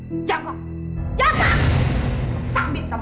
udah pulang ya ampun